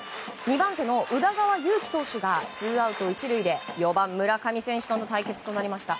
２番手の宇田川優希選手がツーアウト１塁で４番、村上選手との対決となりました。